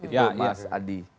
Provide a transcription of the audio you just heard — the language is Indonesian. itu emas adi